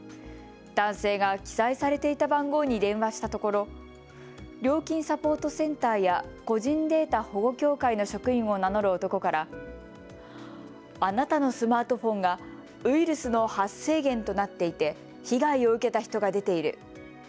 男性が記載されていた番号に電話したところ料金サポートセンターや個人データ保護協会の職員を名乗る男からあなたのスマートフォンがウイルスの発生源となっていて被害を受けた人が出ている。